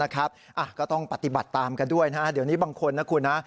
ก็ต้องปฏิบัติตามกันด้วยนะเดี๋ยวนี้บางคนนะคุณนะ